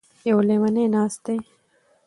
يـو ليونی نـاست دی.